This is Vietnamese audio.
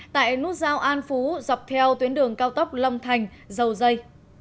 tại nút giao an phú dọc theo tuyến đường cao tốc long thành dầu dây